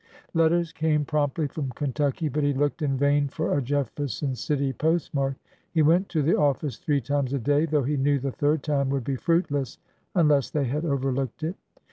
Letters came promptly from Kentucky, but he looked in vain for a Jefferson City postmark. He went to the office three times a day, though he knew the third time would be fruitless, unless they had overlooked it.